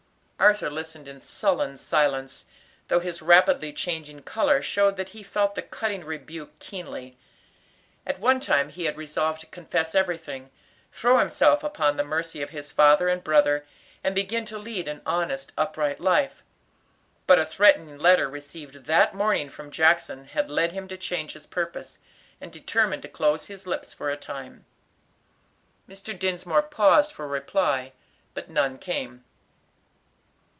Arthur listened in sullen silence, though his rapidly changing color showed that he felt the cutting rebuke keenly. At one time he had resolved to confess everything, throw himself upon the mercy of his father and brother, and begin to lead an honest, upright life; but a threatening letter received that morning from Jackson had led him to change his purpose, and determine to close his lips for a time. Mr. Dinsmore paused for a reply, but none came.